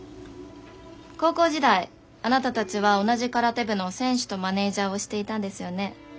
高校時代あなたたちは同じ空手部の選手とマネージャーをしていたんですよね？